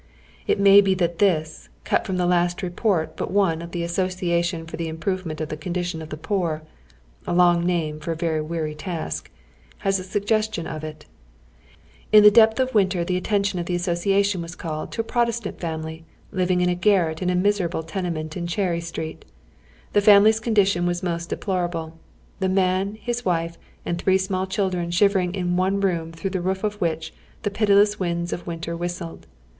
It may be that this, cut from the last report but one of the Association for the Improvement of the Condition of the Poor, a long name for a weary task, has a suggestion of it: "In the depth of winter the attention of the Association was called to a Protestant family livuig in a garret in a miserable tenement in Cherry Street, Tlie faunly's condition was most deplorable. The man, his wife, and three small children shivering in one room through the roof of which the pitiless winds of winter whistled.